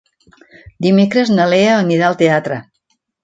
Dimecres na Lea anirà al teatre.